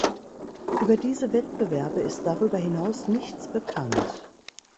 Über diese Wettbewerbe ist darüber hinaus nichts bekannt.